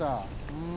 うん。